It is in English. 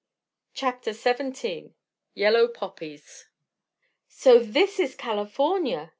CHAPTER XVII YELLOW POPPIES "So this is California!"